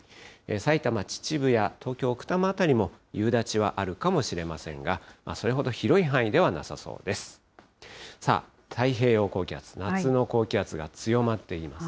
さいたま・秩父や東京・奥多摩辺りも夕立はあるかもしれませんが、それほど広い範囲ではなさそうです。